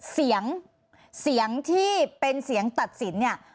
เสียงเสียงที่เป็นเสียงตัดสินเนี่ย